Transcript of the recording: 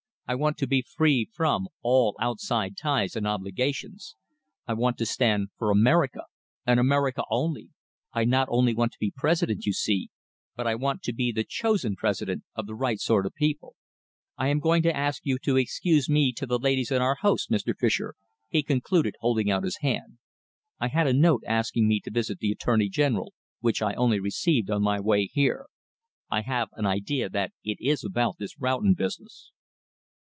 I want to be free from, all outside ties and obligations. I want to stand for America, and America only, I not only want to be President, you see, but I want to be the chosen President of the right sort of people.... I am going to ask you to excuse me to the ladies and our host, Mr. Fischer," he concluded, holding out his hand. "I had a note asking me to visit the Attorney General, which I only received on my way here. I have an idea that it is about this Roughton business."